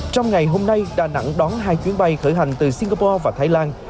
trong ngày hôm nay đà nẵng đón hai chuyến bay khởi hành từ singapore và thái lan